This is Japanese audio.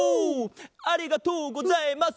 ありがとうございます！